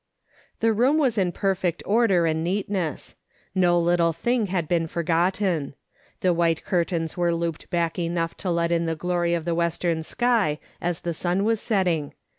The room was in perfect order and neatness. Xo little thing had been forgotten. The white curtains were looped back enough to let in the glory of the western sky as the sun was setting.